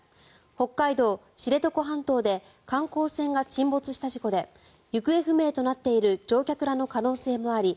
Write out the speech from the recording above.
北海道・知床半島で観光船が沈没した事故で行方不明となっている乗客らの可能性もあり